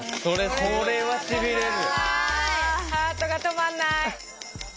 これはしびれる。